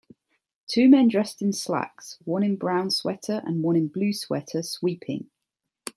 Two men dressed in slacks one in brown sweater and one in blue sweater sweeping